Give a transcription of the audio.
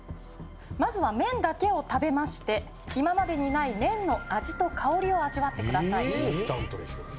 まずは麺だけを食べまして今までにない麺の味と香りを味わってくださいインスタントでしょ？